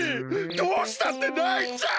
どうしたってないちゃう！